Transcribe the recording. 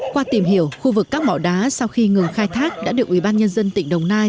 qua tìm hiểu khu vực các mỏ đá sau khi ngừng khai thác đã được ủy ban nhân dân tỉnh đồng nai